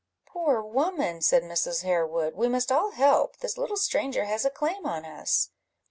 "Poor woman!" said Mrs. Harewood; "we must all help; this little stranger has a claim on us."